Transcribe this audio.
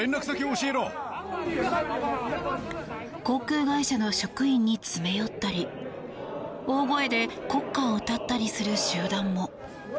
航空会社の職員に詰め寄ったり大声で国歌を歌ったりする集団も。